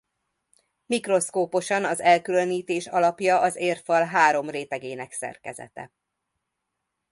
Mikroszkóposan az elkülönítés alapja az érfal három rétegének szerkezete.